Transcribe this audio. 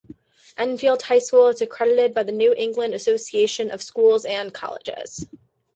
Enfield High School is accredited by the New England Association of Schools and Colleges.